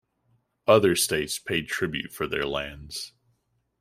Other states paid tribute for their lands.